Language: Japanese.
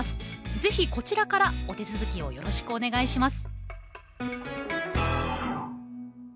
ぜひこちらからお手続きをよろしくお願いします。